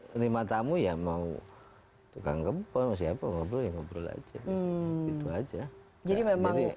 terima tamu yang mau tukang kempen siapa ngobrol ngobrol aja gitu aja jadi memang